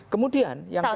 kemudian yang kedua